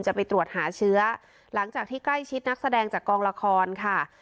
จะไปตรวจหาเชื้อหลังจากที่ใกล้ชิดนักแสดงจากกองละครค่ะ